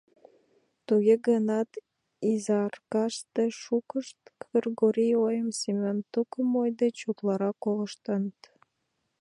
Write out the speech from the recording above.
Туге гынат Изаркаште шукышт Кыргорий ойым Семен тукым ой деч утларак колыштыныт.